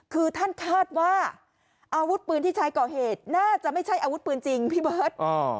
คือท่านคาดว่าอาวุธปืนที่ใช้ก่อเหตุน่าจะไม่ใช่อาวุธปืนจริงพี่เบิร์ต